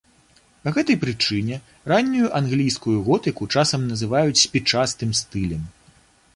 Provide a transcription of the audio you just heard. Па гэтай прычыне раннюю англійскую готыку часам называюць спічастым стылем.